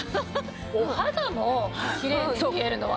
お肌もキレイに見えるのは？